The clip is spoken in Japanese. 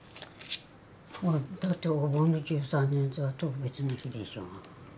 だってお盆の１３日は特別な日でしょ。